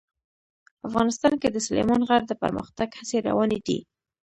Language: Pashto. افغانستان کې د سلیمان غر د پرمختګ هڅې روانې دي.